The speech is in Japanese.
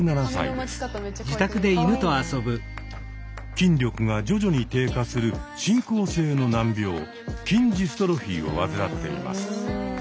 筋力が徐々に低下する進行性の難病筋ジストロフィーを患っています。